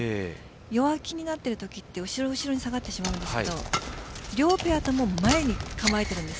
弱気になっているときって後ろに下がってしまうんですが両手を前に構えているんです。